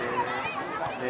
ini adalah ide